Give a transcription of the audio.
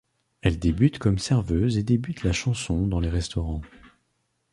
Elle débute comme serveuse et débute la chanson dans les restaurants.